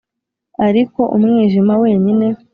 ariko umwijima wenyine